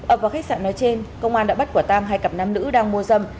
ở vào khách sạn nói trên công an đã bắt quả tang hai cặp nam nữ đang mua dâm